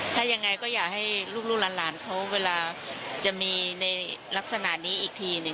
ถ้าอย่างไรก็อย่าให้ลูกหลานเขาเวลาจะมีในลักษณะนี้อีกที